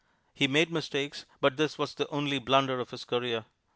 He made mistakes, but this was the only blunder of his career.